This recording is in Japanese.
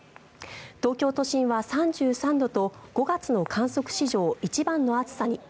東京都心は３３度と５月の観測史上一番の暑さに。